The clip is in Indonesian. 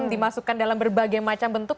dimasukkan dalam berbagai macam bentuk